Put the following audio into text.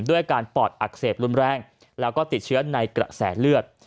ด้วยอาการปอดอักเสบรุนแรงแล้วก็ติดเชื้อในกระแสเลือด